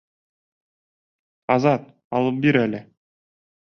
Азат, алып бир әле.